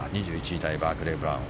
２１位タイバークレー・ブラウン。